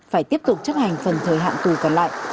phải tiếp tục chấp hành phần thời hạn tù còn lại